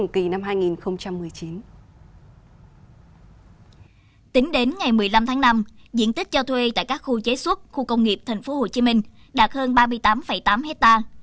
tính đến ngày một mươi năm tháng năm diện tích cho thuê tại các khu chế xuất khu công nghiệp tp hcm đạt hơn ba mươi tám tám hectare